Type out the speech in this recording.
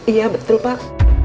iya betul pak